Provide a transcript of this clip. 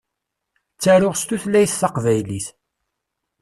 Ttaruɣ s tutlayt taqbaylit.